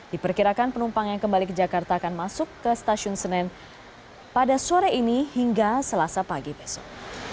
diperkirakan penumpang yang kembali ke jakarta akan masuk ke stasiun senen pada sore ini hingga selasa pagi besok